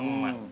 terus aja bang